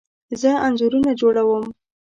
زه انځورونه جوړه وم